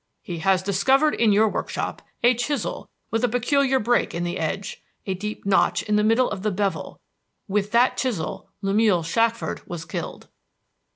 "He has discovered in your workshop a chisel with a peculiar break in the edge, a deep notch in the middle of the bevel. With that chisel Lemuel Shackford was killed."